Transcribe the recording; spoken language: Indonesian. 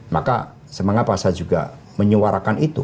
maka semangat pak saya juga menyuarakan itu